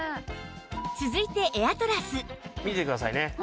続いてエアトラス見ててくださいね。